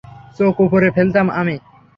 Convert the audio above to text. চোখ উপরে ফেলতাম আমি।